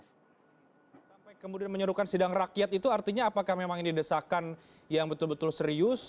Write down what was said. sampai kemudian menyuruhkan sidang rakyat itu artinya apakah memang ini desakan yang betul betul serius